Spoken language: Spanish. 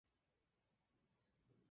Ésta relación provocará los celos de Irena.